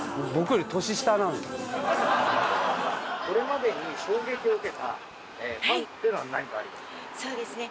これまでに衝撃を受けたファンっていうのは何かありますか？